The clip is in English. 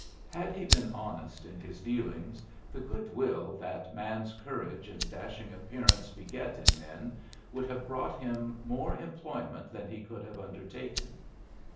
Had he been honest in his dealings, the good will that man's courage and dashing appearance beget in men would have brought him more employment than he could have undertaken.